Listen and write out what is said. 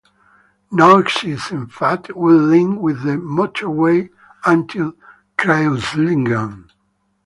No exit, in fact, would link with the motorway until Kreuzlingen.